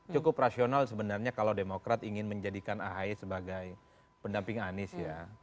cukup rasional sebenarnya kalau demokrat ingin menjadikan ahy sebagai pendamping anies ya